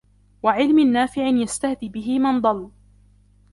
وَعِلْمٍ نَافِعٍ يَسْتَهْدِي بِهِ مَنْ ضَلَّ